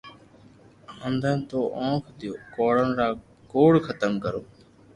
آندھن نو اونک ديو ڪوڙون را ڪوڙختم ڪرو